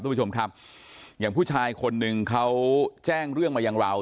ท่านผู้ชมครับอย่างผู้ชายคนนึงเขาแจ้งเรื่องมายังราว